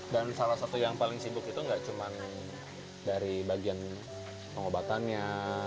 dan salah satu yang paling sibuk itu gak cuma dari bagian pengobatannya